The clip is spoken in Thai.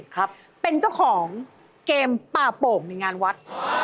ครับเป็นเจ้าของเกมป่าโป่งในงานวัด